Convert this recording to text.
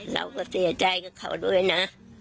เราก็เสียใจกับเขาด้วยนะ